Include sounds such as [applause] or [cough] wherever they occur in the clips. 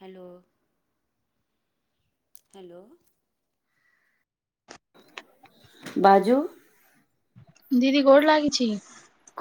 Hello. Hello. बाजू, दीदी गोर लागै छी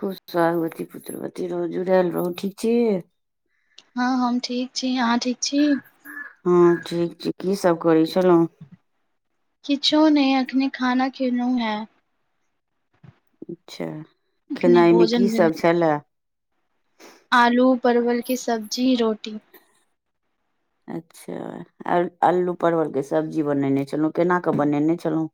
खुश सोहागवती, पुत्रवती रहौ, जुड़ायल रहू, ठीक छी? हँ, हम ठीक छी, अहाँ ठीक छी? हँ, ठीक छी। कि सभ करै छलहुँ? किचोने अखने खाना खेलौ हैं। अच्छा, अखने खेनाइमे की भोजन भेल सभ छलैए? आलू, परवलके सब्जी रोटी। अच्छा, आलू परवलके सब्जी बनेने छलहुँ। केना कऽ बनेने छलहुँ?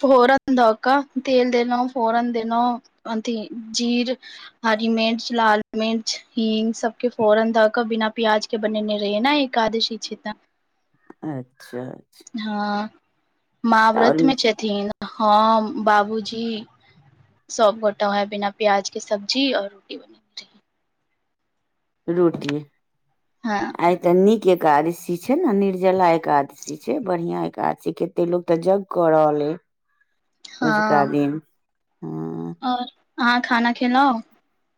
फोरन द कऽ तेल देलउन फोरन देनौ अथि जीर। हरी मिर्च, लाल मिर्च, हींग सभके फोरन धऽ कऽ बिना प्याज। बनेने रहिये ना एकादशी छै त अच्छा, अच्छा। हँ, माँ व्रतमे छथिन। हम बाबूजी। सबो गोटा आहा बिना प्याज के सब्जी औ रोटी बन। रोटी? हँ। आय तऽ नीक एकादशी छै, ने। निर्जला एकादशी छै, बढ़िया एकादशी के एते लोक तऽ जग कऽ रहल हे। अझुका दिन है आओर, अहाँ खाना खेलउ?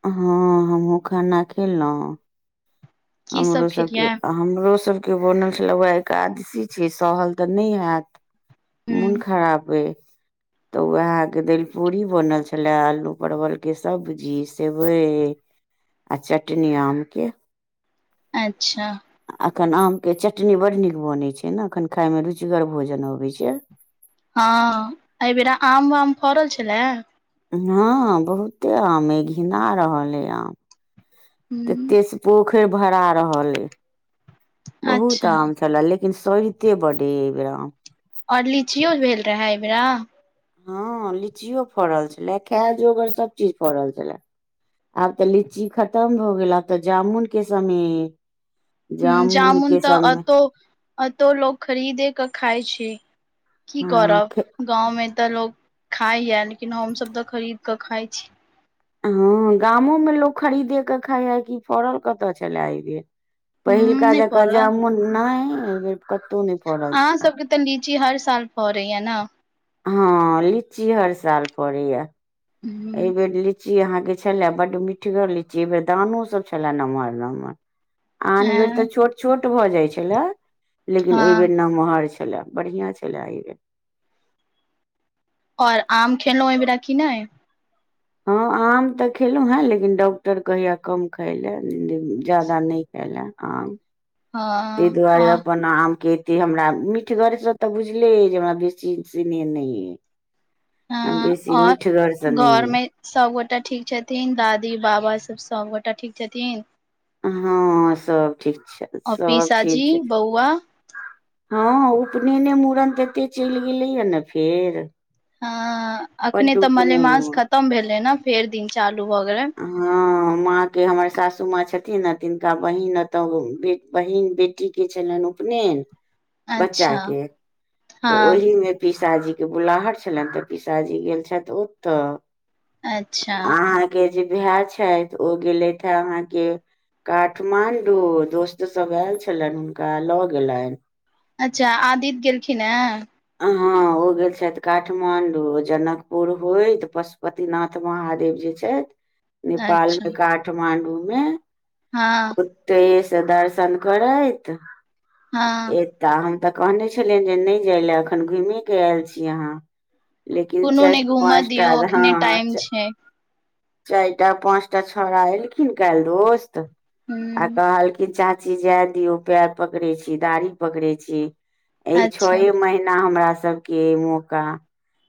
हँ, हमहुँ खाना खेलहुँ। की सब हमरो सभके खेलियै हमरो सभके बनल छल ओ एकादशी छिय सहल तऽ नहि हैत। मुन ह खराप अय। तऽ उएहके दालि पूड़ी बनल छलए। आलू परवल के सब्जी सेवइ। आ चटनी आमके। अच्छा। एखन आमके चटनी बड्ड नीक बनैत छै, ने एखन खायमे रुचिगर भोजन अबैय छै। हँ, एहिबेरा आम वाम फड़ल छैला? हँ, बहुते आमऐ घिना रहल अय आम। ह ततेसँ पोखरि भरा रहल अइ। बहुत अच्छा आम छैला, लेकिन सहित बढ़ अय ऐबैर आम। ओर लीचियो भेल रहे एहिबरा। हँ, लीचियो फड़ल छलए खैजोगर सभ चीज फड़ल छैला। आब तऽ लीची खतम भऽ गेल आब तऽ जामुनके समय ऐ हू, जामुन तऽ अतो अतो लोको खरीदेके खाइ छै। की हँ करब। खे- गावमे तऽ लोग खाइ या लेकिन हम सभ तऽ खरीद कऽ खाय छी हँ, गामोमे लोक खरीदेके खाइए कि फड़ल कतय छलए एहि बे। ह पहिलका नहि जका पड़ल जामुन नहि ऐबैर कतहु नहि फड़ल अहाँ छै। सबके तऽ लीची हर साल फरैया न हँ, लीची हर साल पड़ै या एहि ह बेर लीची लीची अहाँके छलै बड मिठगर लीची एहि बेर दानो सब छलै नमहर नमहर आन बेर तऽ छोट छोट भऽ जाइ छेला लेकिन हँ एहिबेर नमहर छै छलै बढ़िया छेला अय बे और आम खेलौं ओहि बेरा की नय हँ आम तऽ खेलहु हें लेकिन डॉक्टर कहैया कम खाय लए ज्यादा नहि खायला आम तै हँ दुआरे और अपन आमके त हमरा मिठगरसँ तऽ बुझले ऐ जे हमरा बेसी सिनेह नइ ऐ आ हँ बेसी और मीठगरसँ नहि घर अइ में सबगोटा ठीक छथिन दादी बाबा सभ सभ गोटा ठीक छथिन हँ सब ठीक छै सब ठीक छथीन कौआ हँ उपनयने मूड़न त एते चलि गेले या ने फेर ह बड्ड अखने तऽ उपनयन मलेमास मे। खतम भेले न फेर दिन चालू भए गेलैन हँ माँ के हमर सासु माँ छथिन ने तिनका बहिन एतो बहिन बेटी के छलैन उपनयन बच्चा अच्छा के तऽ हँ ओहि मे पीसाजी के बुलाहट छलैन तऽ पीसाजी गेल छैथ ओतऽ अच्छा अहाँके जे भाय छथ ओ गेलथिहे अहाँके काठमांडू दोस्त सब आयल छलनि हुनका लऽ गेलनि अच्छा आदित्य गेलखिन ह हँ ओ गेल छथि काठमांडू जनकपुर होयत पशुप तिनाथ महादेव जे छथि नेपाल अच्छा मे काठमांडू में हँ एतै से दर्शन करैत हँ ए तऽ हम तऽ कहने छलियनि जे नहि जाय लए एखन घुमे के आयल छी अहाँ लेकिन कोनो चार नहि घूमऽ पाँचटा दियौ हँ अखने टाइम छै चाय टा पाँचटा छौड़ा एलखिन काल्ह दोस्त आ ह कहलखिन चाची जाय दियो पैर पकड़े छी दाढ़ी पकड़े छी एहि अच्छा छौहे महना हमरा सबके मौका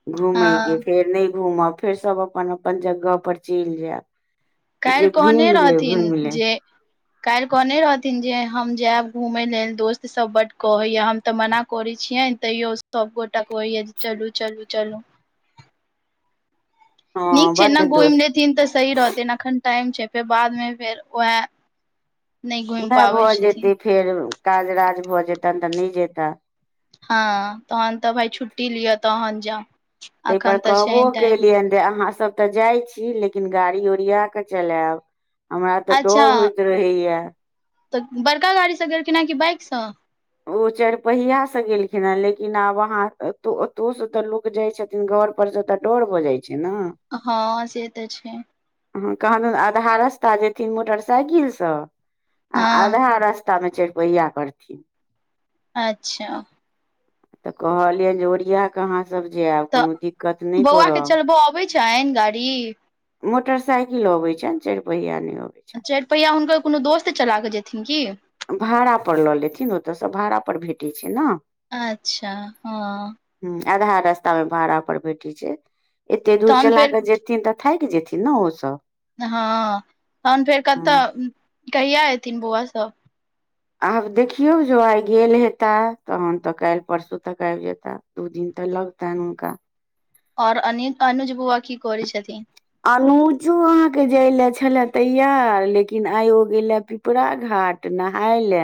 घूमे के हँ फेर नहि घूमब फेर सब अपन अपन जगह पर चैल जाय काइल कहने रहथिन ले जे काइल कहने रहथिन जे हम जायब घूमय लेल दोस्त सब बड कहैया हम तऽ मना करैत छियनि तैयो सभगोटा कहैय जे चलू चलू चलू हँ नीक छै बड्ड न घुम दोस्त लेथिन तऽ सही रहथिन ने एखन टाइम छै फेर बादमे फेर उएह नहि घुइम उएह पाबै भऽ जेतै छथिन फेर काज राज भऽ जेतैन तऽ नहि जेताऽ हँ तहन तऽ भाय छुट्टी लिअ तहन जाउ तईपर अखन तऽ कहबो छैन टाइम केलियनि जे अहाँसभ तऽ जाइ छी लेकिन गाड़ी ओरिया कऽ चलायब हमरा तऽ अच्छा डर होइत रहैया तऽ बड़का गाड़ीसँ गेलखिन हे कि बाइकसँ ओ चारपहिया से गेलखिन हें लेकिन आब अहाँ ओतहु से तऽ लोक क जाइ छथिन घर पर से ओतऽ डर भऽ जाइ छै ने हँ से तऽ छै ह कहदुन आधा रास्ता जेथिन मोटरसाइकिलसँ आ हँ आधा रस् ता मे चैरपैया करथिन अच्छा तऽ कहलियन जे ओरिया क आहाँ सब जेब तऽ कोनो दिक्कत नहि बौआ के करब चलबऽ अबै छनि गाड़ी मोटर साईकिल अबै छैन चाइर पहिया ने अबे छै चाइर पहिया हुनकर कोनो दोस्त चला केऽ जेथिन की भाड़ा पर लऽ लेथिन ओतयसँ भाड़ा पर भेटैत छै ने अच्छा हँ ह आधा रास्ता मे भाड़ा पर भेठे छै एते दूर तहन चला फेर क जे नत थैक जेथिन न ओसभ हँ तहन फेर कत कहिआ एथिन बौआ सब आब देखियौ जो आइ गेल हेता तहन तऽ कैल परसू तक आइब जेता दू दिन तऽ लगतन हुँनका ओर अ अनुज बौआ की कोरी छथिन अनुजो अहाँके जाय ले छलए तैयार लेकिन आइो गेले पिपरा घाट नहाय ले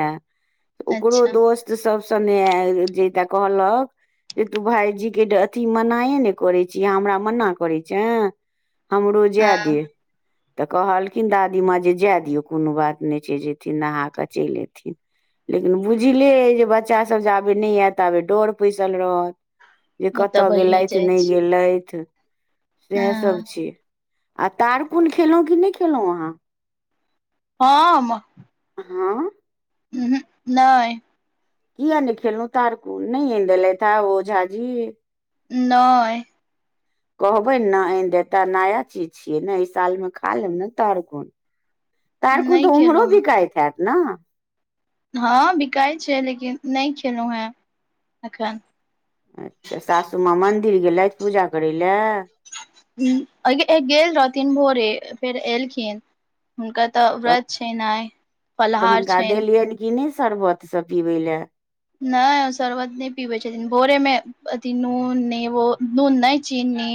ओकरो अच्छा दोस्त त सब सने जयता कहल जे तू भायजी के अथी मनायए ने करैत छीय हमरा मना करै छै हमरो जा हँ डिये तऽ कहलखिन दादी माँ जे जाए दियौ कोनो बात नहि छै जेयथिन नहा कऽ चलि अथिन लेकिन बुझले अइ जे बच्चासभ जाबे नहि आयत ताबे डर पैसल रहत जे ओ तऽ कतय भइए गेलथ जाइ नहि छै गेलथ सएह सब हँ छी आ तारकुन खेलहुँ कि नहि खेलहुँ अहाँ हम हँ उहु नै किया नहि खेलहु तारकु नहि आन देलैथ ओझा जी नै कहबैन न‌ आन देे ता नया चीज छियै ने एहि सालमे खा लेब ने तर कोन तारकुन तऽ नहि उम्हरो खेलौं हें। बिकाइत हैत ने हँ बिकाय छै लेकिन नहि खेलहुँ हेँ एखन अच्छा सासू माँ मन्दिर गेलैथ पूजा करय लए ह गेल रहथिन भोरे फेर एलखिन हुनका तऽ व्रत छैन‌ आय फलाहार छैन किने शरबत सब पीबै लए नै शरबत नहि पीबै छथिन भोरे मे अथी नून नेवो नून नै चीनी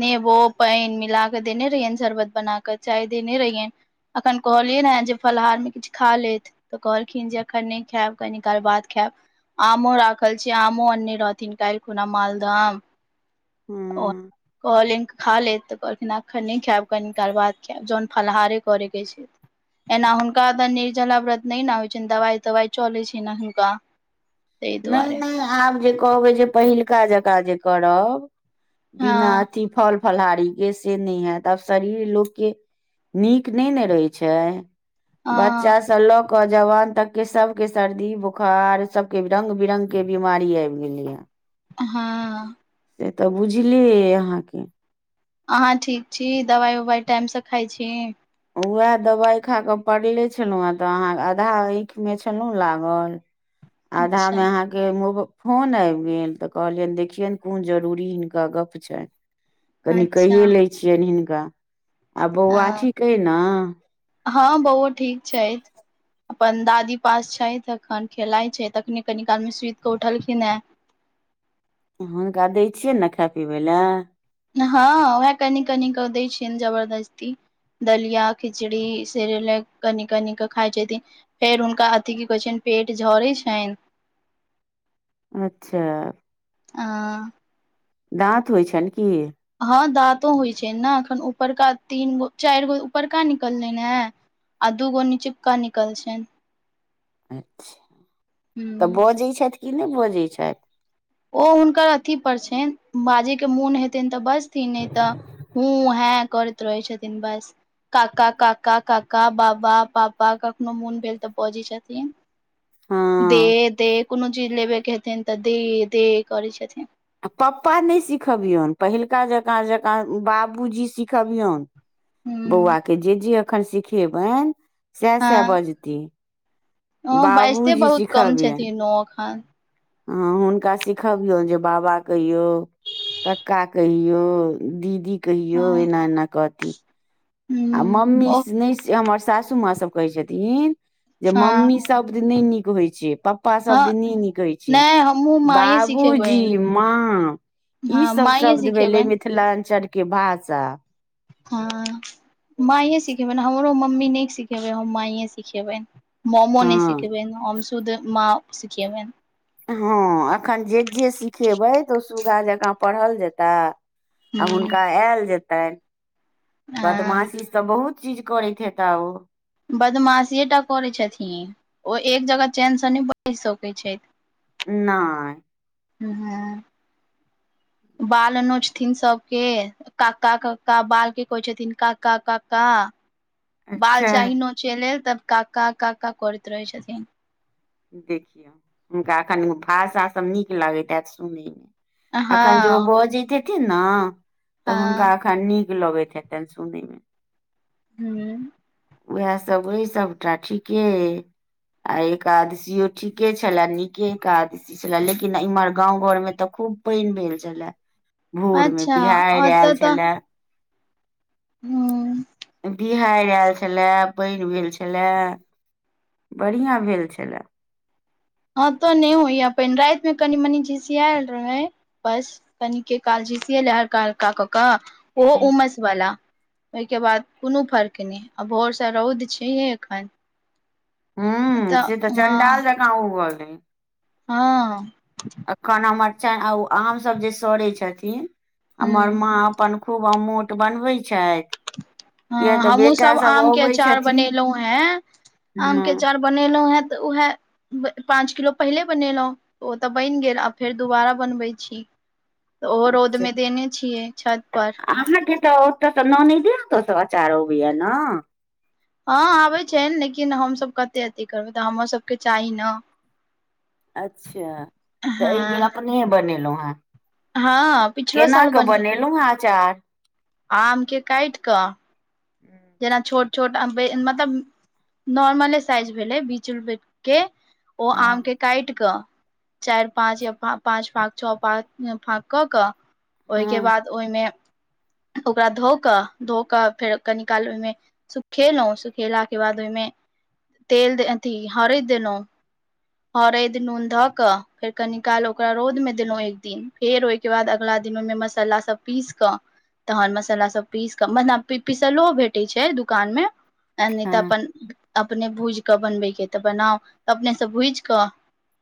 नेबो पैन मिला क देने रहियेै शरबत बना क चाय देने रहियैन अखन कहलियै ने जे फलहार में किछु खा लेत तऽ कहलखिन जे अखन नहि खायब कनी काल बाद खायब आमो राखल छै आमो अन्ने रहथिन कायल खुना मालदाम ओ हँ कहलनि खा लेत तऽ कहलखिन एखन नहि खायब कनी काल बाद खायब जहन फलाहारे करेके छै एना हुनका तऽ निर्जला व्रत नहि ने होइ छै दवाई तवाई चले छै ने हुनका ताहि नै दुआरे नै आब जे कहबै जे पहिलका जकाँ जे करब हँ बिना अथी फल फलाहारी के से नै हेत आब शरीर लोक के नीक नै न रहै छै अ बच्चा से लऽ कऽ जवान तक के सबके सर्दी बोखार सब के रंग बिरंग के बीमारी आब गेले हे हँ से तऽ बुझलिय अहाँके अहाँ ठीक छी दवाइ उवाइ टाइम से खाइ छी उएह दवाइ खा कऽ पड़ले छलहुँ ह तऽ अहाँ आधा आँख मे छलहुँ लागल अच्छा आधामे अहाँ मोब फोन आब गेल तऽ कहलियअन देखियनि कोन जरूरी हिनका गप छैन कनि अच्छा कैए लै छियनि हिनका आ बौआ अ ठीक अइ ने हँ बौओ ठीक छै अपन दादी पास छैथ अखन खेलाय छैथ अखनेकनी काल मे सुत कऽ उठलखिन हे हुनका दै छियै ने खाय पीबै लए हँ उएह कनी कनि कऽ दै छियन जबरदस्ती दलिया खिचड़ी सेरलेक कनी कनिक खाए छथिन फेर हुनका अथि की कहै छैन पेट झरै छैन अच्छा आ दाँत होइ छन कि हँ दाँतो होइ छै ने एखन ऊपरका तीन गो चार गो ऊपरका निकललैन हे आ दूगो निचुका निकल छै अच्छा तऽ ह बजे छथ कि नहि बजे छथि ओ हुनकर अथी पर छनि बाजे के मोन हेतेन तऽ बजथिन नहि तऽ हू हँ करैत रहै छथिन बस काका काका काका बाबा पापा कखनो मोन भेल तऽ बजै छथिन्ह हँ दे दे कोनो चीज लेबेके हेतेन तऽ दे दे करै छथिन्ह आ पप्पा नहि सिखबियन पहिलुका जका जका बाबूजी सिखबियन ह बौआके जे जे एखन सिखेबन सएह सएह हँ बजति ओ बाईज बहुत कम सिखबियनि छथिन ओ एखन हँ हुनका सिखबियौ जे बाबा कहिओ कक्का कहियो दीदी कहियो हँ एना एना कहथि आ ह मम्मी ओ नहि हमर सासू माँ सब कहै छथिन जे हँ मम्मी सब दिन नहि नीक होइ छै पपा सभ हँ दिन नहि नीक होइ छैक नहि हमहुँ माँए बाबूजी सिखेबनि माँ ई हँ सब माँए शब्द भेले सिखेबनि मिथिलाञ्चलके कि भासा हँ माइए सिखेबन हमरो मम्मी नहि सिखेबै हम माइए सिखैबे मोमोन हँ सिखेबेन हम शुद्ध माँ सिखेबेए हँ एखन जे जे सिखेबै ओ सुगगा जकाँ पढ़ल जेतए आ हूँ हुनका आयल जेतन हँ बदमाशीस तऽ बहुत चीज करत हेता उ बदमाशीे टा करै छथिन ओ एक जगह चेन से नहि बस सकैत छैथ नाए हू ह बाल नोचथिन सबके काका का बाल के कहै छथिन काका काका बाल अच्छा चाहि नोचे लेल तब काका काका करैत रहै छथिन देखियौ हुनका एखन भाषा सभ नीक लागैत हौत सुनयमे हँ अखन जो बाजेहेथि ने तऽ हुनका हँ अखन नीक लगैत हेतन सुनै मे ह [inaudible] उएह सब अ सबटा ठीके आए एकादशी ठीके छलेए नीके एकाद छले लेकिन इम्हर गाँं घर मे तऽ खूब पानि भेल छलाए भोर मे अच्छा बिहाड़ आयल छलेए हू बिहाड़ आयल छलए पानि भेल छलए बढ़िया भेल छेलए हँ तो नहि होइ पानि राति में कनि मनी झीसयाल रहै बेस कनिके कालझिसीयैल हलका हलका कऽ कऽ ओहो उमस वाला ओहिके बाद कोनो फर्क नहि आ भोर से रौद छैहे एखन हू से तऽ चंडाल जकाँ उगल रहे हँ [unintelligible] कना मरचार्ई हमर ओ आम सब जे सड़े छलखीन हमर हूँ माँ अपन खूब अमूट बनबै छै। हँ, हमू सभ आमके अचार छथिन बनेलौ है हँ आमके अचार बनेलौ है, तऽ उहै पाँच किलो पहिले बनेलौ, ओ तऽ बनि गेल आ फेर दोबारा बनबैत छी तऽ उहरौदमे देने छियै छत पर आहाँकेँ तऽ ओतऽ तऽ ननद‌ई अचार अबैया ने हँ, आबै छैन। लेकिन हमसभ कते अथि करबै तऽ हमर सभके चाही ने अच्छा, तऽ एहि बेर हँ अपने बनेलहुँ हे। हँ पिछलो केना कऽ बनेलू हैं चार आमके काटि कऽ जेना छोट छोट आ मतलब नॉर्मले साइज भेले बीस रूपेके ओ हँ आमके काटि कऽ। चारि-पाँच या पाँच-छह फाँक कऽ कऽ। ओहिकेँ हँ बाद ओहिमे ओकरा धो कऽ, धो कऽ फेर कनि काल ओहिमे सुखेलहुँं सुखेलाके बाद ओहिमे तेल द अथि हर दैनो हरैद नून धऽ कऽ फेर कनी काल ओकरा रौदमे देलहु एक दिन फेर ओहिके बाद, अगला दिन ओहिमे मसाला सभ पीस कऽ। तहन मसाला सभ पीस कऽ एना पीसलो भेटैत छै, दुकानमे नहि तऽ हँ अपन अपने भूजि कऽ बनबेके तऽ बनाउ त अपनेसँ भूजि कऽ